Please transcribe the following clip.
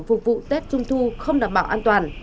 phục vụ tết trung thu không đảm bảo an toàn